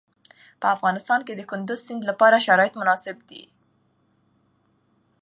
په افغانستان کې د کندز سیند لپاره شرایط مناسب دي.